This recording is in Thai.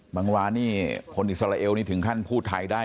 บางร้านนี่คนอิสราเอลนี่ถึงขั้นพูดไทยได้